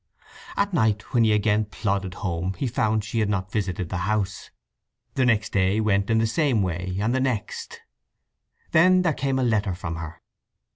At night when he again plodded home he found she had not visited the house. The next day went in the same way, and the next. Then there came a letter from her.